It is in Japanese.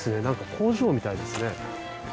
なんか工場みたいですね。